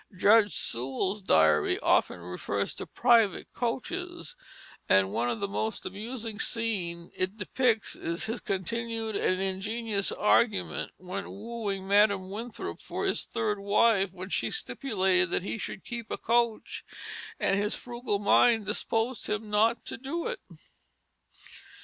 Judge Sewall's diary often refers to private coaches; and one of the most amusing scenes it depicts is his continued and ingenious argument when wooing Madam Winthrop for his third wife, when she stipulated that he should keep a coach, and his frugal mind disposed him not to do it.